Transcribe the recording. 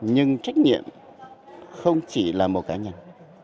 nhưng trách nhiệm không chỉ là một cá nhân